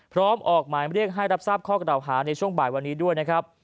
ออกหมายเรียกให้รับทราบข้อกระดาวหาในช่วงบ่ายวันนี้ด้วยนะครับ